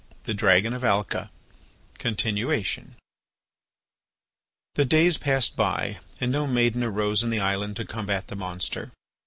THE DRAGON OF ALCA (Continuation) The days passed by and no maiden arose in the island to combat the monster.